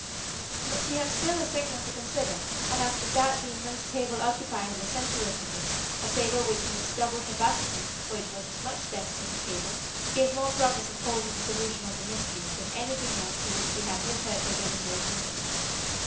But she had still a segment to consider, and after that the immense table occupying the centre of the room, a table which in its double capacity (for it was as much desk as table) gave more promise of holding the solution of the mystery than anything to which she had hitherto given her attention.